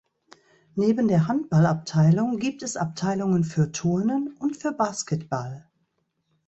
Neben der Handballabteilung gibt es Abteilungen für Turnen und für Basketball.